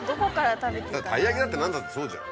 たい焼きだって何だってそうじゃん。